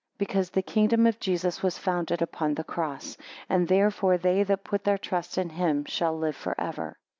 Because the kingdom of Jesus was founded upon the cross; and therefore they that put their trust in him, shall live for ever.